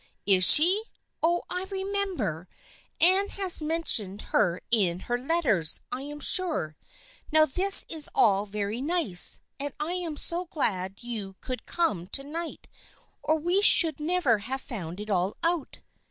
"Is she? Oh, I remember! Anne has men tioned her in her letters, I am sure. Now this is all very nice, and I am so glad you could come to night or we should never have found it all out."